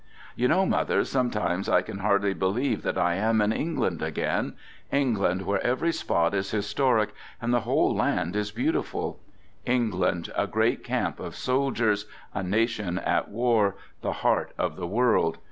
You know, mother, sometimes I can hardly believe that I am in England again ; England where every spot is historic and the whole land is beautiful. England, a great camp of soldiers, a nation at war, the heart of the world.